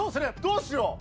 どうしよう。